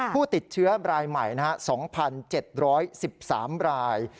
ผู้ติดเชื้อรายใหม่๒๗๑๓ราย